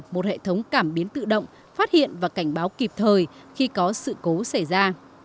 một hệ thống cảm biến tự động phát hiện và cảnh báo kịp thời khi có sự cố xảy ra